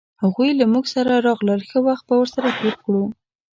هغوی له مونږ سره راغلل ښه وخت به سره تیر کړو